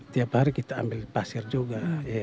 tiap hari kita ambil pasir juga